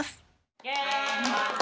イェーイ！